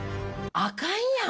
あかんやん。